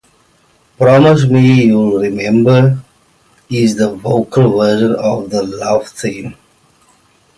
"Promise Me You'll Remember" is the vocal version of the love theme.